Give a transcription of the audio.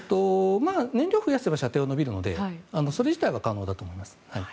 燃料を増やせば射程は延びるのでそれ自体は可能だと思います。